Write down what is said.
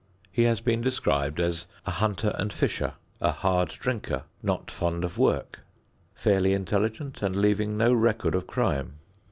He has been described as a "hunter and fisher," "a hard drinker," "not fond of work," fairly intelligent and leaving no record of crime.